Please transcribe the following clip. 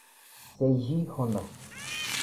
Seiji Honda